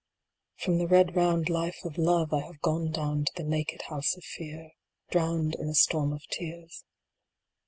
From the red round life of Love I have gone down to the naked house of Fear. Drowned in a storm of tears.